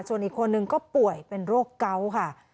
ส่วนอีกคนนึงก็ป่วยเป็นโรคเกาะค่ะ